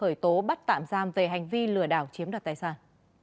khởi tố bắt tạm giam về hành vi lừa đảo chiếm đoạt tài sản